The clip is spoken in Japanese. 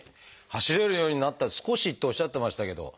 走れるようになった少しっておっしゃってましたけど